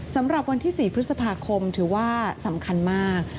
สำหรับวันที่๔พฤษภาคมถือว่าสำคัญมาก